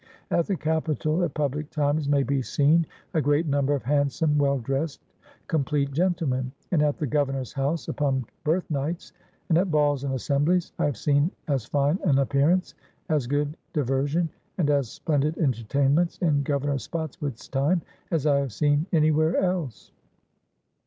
... At the Capitol, at publick Times, may be seen a great Number of handsome, well dressed, com 9M nONEERS OF THE OLD SOUTH pleat Gentlemen. And at the Govemor^s House upon Birth Nights, and at Balls and Assemblies, I have seen as fine an Appearance, as good Diver sion, and as splendid Entertainments, in Governor Spotswood's Time, as I have seen anywhere else.